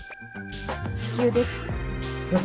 地球です。